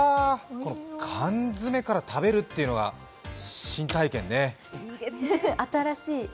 この缶詰から食べるというのが新体験ね。